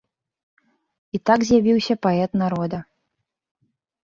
І так з'явіўся паэт народа.